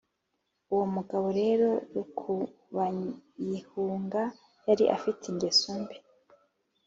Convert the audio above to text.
uwo mugabo rero rukubayihunga yari afite ingeso mbi